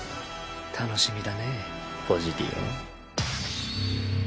楽しみだねポジディオン。